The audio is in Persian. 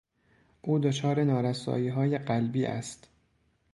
او دچار نارساییهای قلبی است.